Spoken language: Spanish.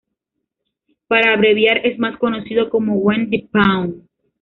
Para abreviar es más conocido como "When the pawn".